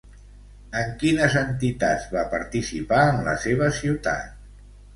En quines entitats va participar en la seva ciutat?